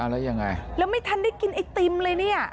แล้วไม่ทันได้กินไอติมเลยเนี่ย